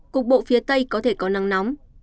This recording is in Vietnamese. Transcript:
cục bộ phía tây có thể có nắng nóng